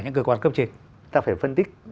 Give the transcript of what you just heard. những cơ quan cấp trình ta phải phân tích